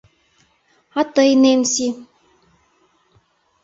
А тый, Ненси?